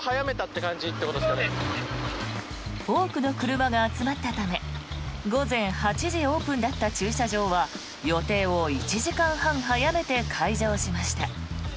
多くの車が集まったため午前８時オープンだった駐車場は予定を１時間半早めて開場しました。